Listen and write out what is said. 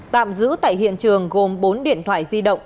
tạm giữ tại hiện trường gồm bốn điện thoại di động